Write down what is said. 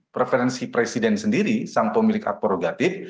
preferensi presiden sendiri sang pemilik hak prorogatif